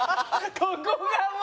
ここがもう。